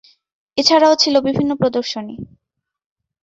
এ ছাড়াও ছিল বিভিন্ন প্রদর্শনী।